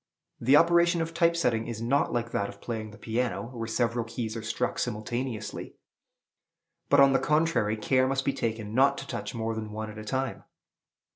The operation of type setting is not like that of playing the piano, where several keys are struck simultaneously; but, on the contrary, care must be taken not to touch more than one at a time.